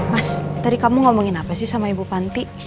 mas tadi kamu ngomongin apa sih sama ibu panti